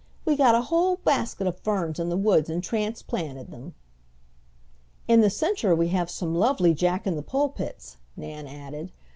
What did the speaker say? "We got a whole basket of ferns in the woods and transplanted them." "In the center we have some lovely Jack in the pulpits," Nan added.